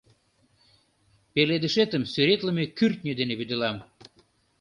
Пеледышетым сӱретлыме кӱртньӧ дене вӱдылам…